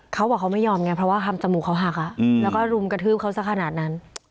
เขาบอกเขาไม่ยอมไงเพราะว่าคำจมูกเขาหักแล้วก็รุมกระทืบเขาสักขนาดนั้น